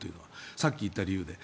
さっき言った理由で。